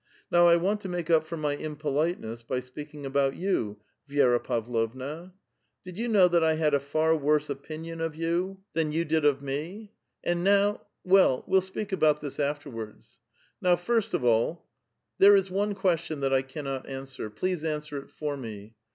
Now I want to make up for my im politeness by speaking about you, Vi^ra Pavlovna. Did you know that I had a far worse opinion of you than you did of ••»• 70 A VITAL QUESTION. inc. And now — well, we'll speak about this afterwards. Now first of all, there is one question that I cannot answer ; please answer it for me.